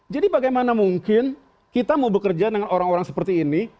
jadi bagaimana mungkin kita mau bekerja dengan orang orang seperti ini